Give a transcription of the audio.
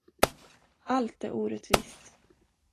Allt är orättvist!